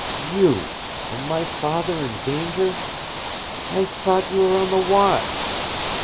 You! and my Father in danger! I thought you were on the watch!"